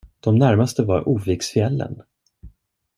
De närmaste var Oviksfjällen.